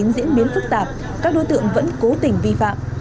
do covid một mươi chín diễn biến phức tạp các đối tượng vẫn cố tình vi phạm